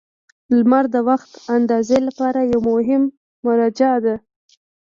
• لمر د وخت اندازې لپاره یوه مهمه مرجع ده.